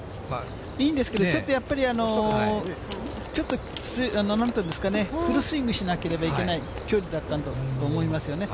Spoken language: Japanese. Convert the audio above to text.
いいんですけど、ちょっとやっぱり、ちょっとなんていうんですかね、フルスイングしなければいけない距離だったんだと思いますよね。